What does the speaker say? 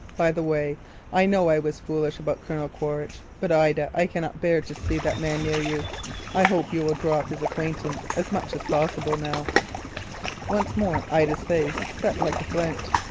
By the way, I know I was foolish about Colonel Quaritch; but, Ida, I cannot bear to see that man near you. I hope that you will now drop his acquaintance as much as possible." Once more Ida's face set like a flint.